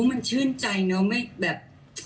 มันชื่นใจเนอะไม่แบบ